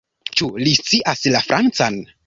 Ĉu li scias la Francan?